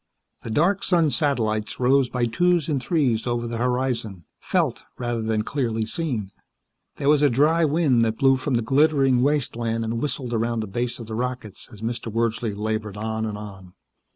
The dark sun satellites rose by twos and threes over the horizon, felt rather than clearly seen. There was a dry wind that blew from the glittering wasteland and whistled around the base of the rockets as Mr. Wordsley labored on and on.